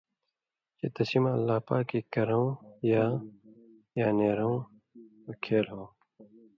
چے تسی مہ اللہ پاکے کرَؤں یاں یا نېرؤں لُکھیل ہو،